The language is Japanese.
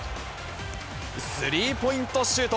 スリーポイントシュート。